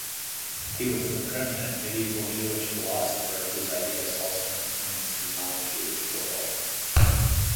He was the preeminent medieval Jewish philosopher whose ideas also influenced the non-Jewish world.